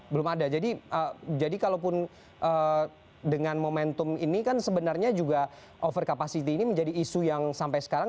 belum ada jadi kalau pun dengan momentum ini kan sebenarnya juga overcapacity ini menjadi isu yang sampai sekarang